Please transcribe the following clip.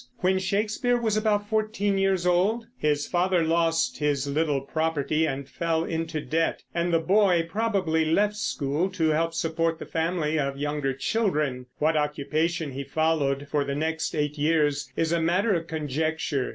When Shakespeare was about fourteen years old his father lost his little property and fell into debt, and the boy probably left school to help support the family of younger children. What occupation he followed for the next eight years is a matter of conjecture.